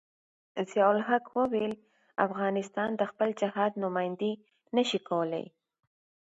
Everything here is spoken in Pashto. ضیاء الحق ویل چې افغانان د خپل جهاد نمايندګي نشي کولای.